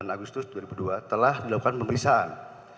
agus nus dua ribu dua telah dilakukan pemeriksaan